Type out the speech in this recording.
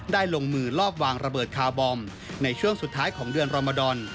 ลงมือลอบวางระเบิดคาร์บอมในช่วงสุดท้ายของเดือนรมดอน